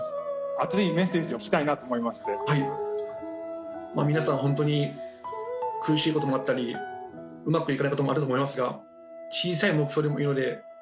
熱いメッセージを聞きたいなと思いまして皆さん本当に苦しいこともあったりうまくいかないこともあると思いますが小さい目標でもいいのでその目標を持って